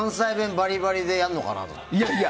バリバリでやるのかなと思ったら。